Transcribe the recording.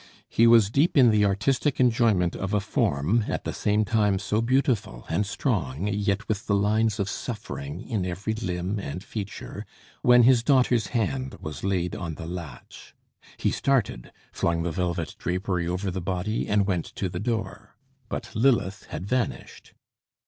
He was deep in the artistic enjoyment of a form, at the same time so beautiful and strong, yet with the lines of suffering in every limb and feature, when his daughter's hand was laid on the latch. He started, flung the velvet drapery over the body, and went to the door. But Lilith had vanished.